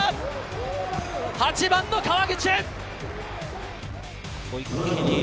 ８番の川口！